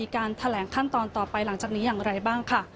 การแถลงขั้นตอนต่อไปหลังจากนี้อย่างไรบ้างค่ะ